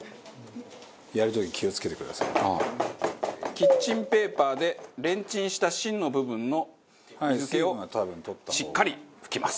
キッチンペーパーでレンチンした芯の部分の水気をしっかり拭きます。